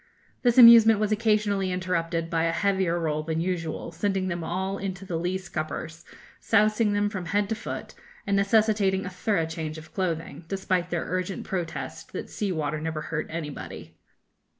This amusement was occasionally interrupted by a heavier roll than usual, sending them all into the lee scuppers, sousing them from head to foot, and necessitating a thorough change of clothing, despite their urgent protest that sea water never hurt anybody.